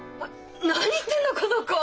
何言ってんのこの子！？